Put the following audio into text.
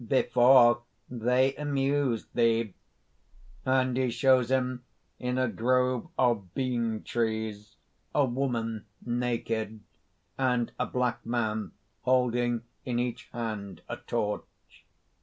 "Before, they amused thee!" (And he shows him in a grove of bean trees, A WOMAN, _naked.... .........and a black man, holding in each hand a torch.